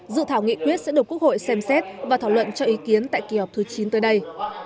dự thảo nghị quyết sẽ được quốc hội xem xét và thảo luận cho ý kiến tại kỳ họp thứ chín tới đây